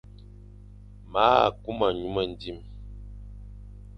Ma a kuma nyu mendi,